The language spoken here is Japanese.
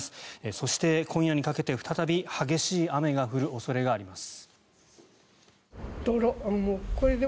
そして、今夜にかけて再び激しい雨が降る恐れがあります。